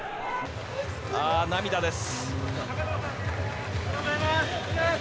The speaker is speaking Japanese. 涙です。